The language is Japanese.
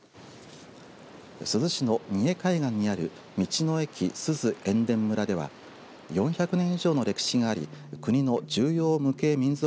珠洲市の仁江海岸にある道の駅すず塩田村では４００年以上の歴史があり国の重要無形民俗